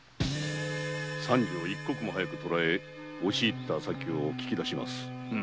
三次を一刻も早く捕え押し入った先を聞き出します。